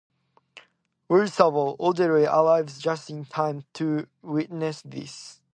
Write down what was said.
Worst of all, Odette arrives just in time to witness this.